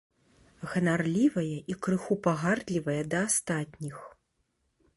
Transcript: Ганарлівая і крыху пагардлівая да астатніх.